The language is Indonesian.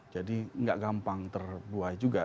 jadi tidak gampang terbuai juga